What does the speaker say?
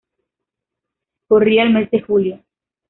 Corría el mes de julio.